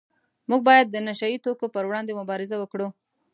موږ باید د نشه یي توکو پروړاندې مبارزه وکړو